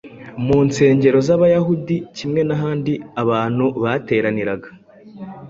mu nsengero z’Abayahudi kimwe n’ahandi abantu bateraniraga.